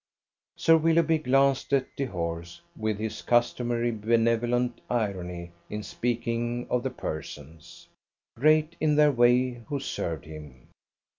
Sir Willoughby glanced at Dehors with his customary benevolent irony in speaking of the persons, great in their way, who served him.